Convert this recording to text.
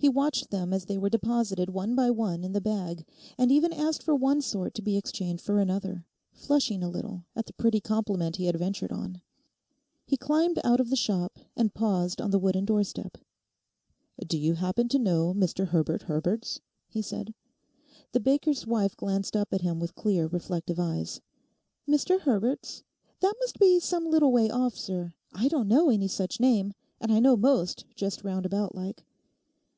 He watched them as they were deposited one by one in the bag, and even asked for one sort to be exchanged for another, flushing a little at the pretty compliment he had ventured on. He climbed out of the shop, and paused on the wooden doorstep. 'Do you happen to know Mr Herbert Herbert's?' he said. The baker's wife glanced up at him with clear, reflective eyes. 'Mr Herbert's?—that must be some little way off, sir. I don't know any such name, and I know most, just round about like.